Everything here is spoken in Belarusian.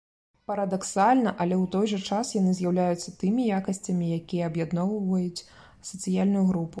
Парадаксальна, але ў той жа час яны з'яўляюцца тымі якасцямі, якія аб'ядноўваюць сацыяльную групу.